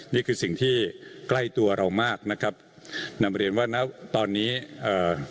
นี่คือสิ่งที่ใกล้ตัวเรามากนะครับนำเรียนว่าณตอนนี้เอ่อ